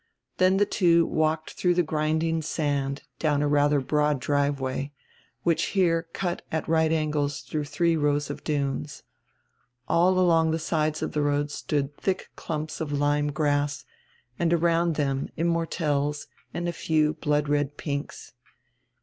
Then die two walked through grinding sand down a radier broad drive way, which here cut at right angles through the diree rows of dunes. All along die sides of die road stood diick clumps of lyme grass, and around diem immortelles and a few blood red pinks.